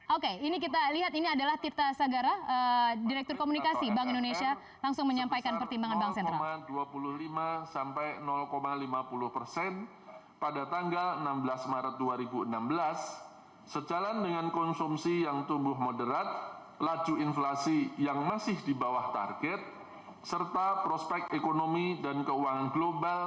oke ini kita lihat ini adalah tirta sagara direktur komunikasi bank indonesia langsung menyampaikan pertimbangan bank sentral